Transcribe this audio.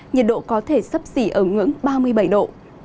nhiệt độ có thể sấp xỉ ở ngưỡng ba mươi bảy độ